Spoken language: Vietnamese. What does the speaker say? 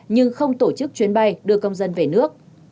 nhưng không tổ chức chuyến bay đưa công dân về nước